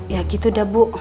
ya gitu dah bu